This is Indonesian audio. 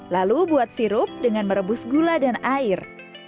lalu buat sirup dengan merebus gula dan air